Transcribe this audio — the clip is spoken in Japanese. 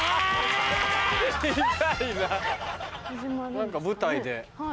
何か舞台で。